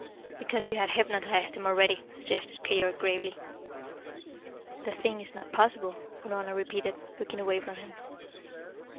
"Because you had hypnotised him already," suggested Keyork gravely. "The thing is not possible," Unorna repeated, looking away from him.